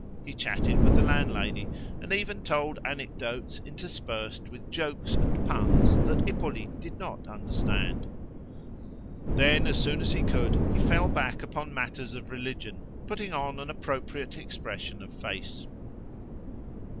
He chatted with the landlady; and even told anecdotes interspersed with jokes and puns that Hippolyte did not understand. Then, as soon as he could, he fell back upon matters of religion, putting on an appropriate expression of face.